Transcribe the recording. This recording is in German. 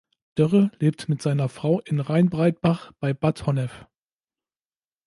Dörre lebt mit seiner Frau in Rheinbreitbach bei Bad Honnef.